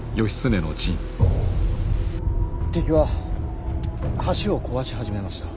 敵は橋を壊し始めました。